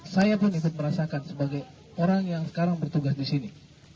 saya pun ikut merasakan sebagai orang yang sekarang bertugas di sini